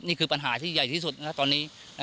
นี่คือปัญหาที่ใหญ่ที่สุดนะตอนนี้